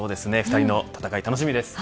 ２人の戦い楽しみです。